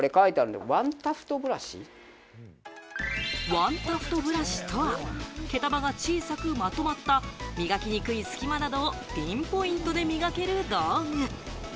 ワンタフトブラシとは、毛束が小さくまとまった磨きにくい隙間などをピンポイントで磨ける道具。